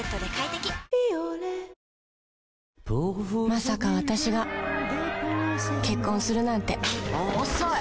まさか私が結婚するなんて遅い！